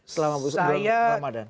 selama musim ramadan